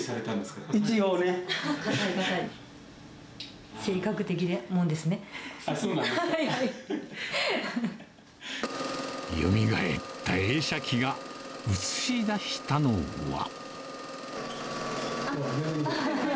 よみがえった映写機が映し出したのは。